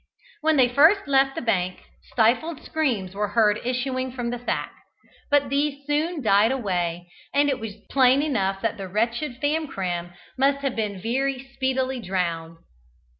When they first left the bank, stifled screams were heard issuing from the sack, but these soon died away, and it was plain enough that the wretched Famcram must have been very speedily drowned.